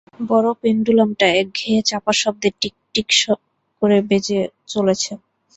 বড় পেন্ডুলামটা একঘেঁয়ে চাপা শব্দে টিকটিক করে বেজে চলেছে।